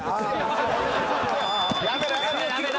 やめろやめろ。